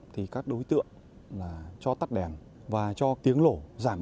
thì các đối tượng là